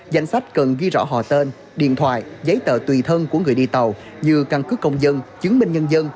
danh sách cần ghi rõ họ tên điện thoại giấy tờ tùy thân của người đi tàu như căn cứ công dân chứng minh nhân dân